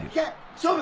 勝負！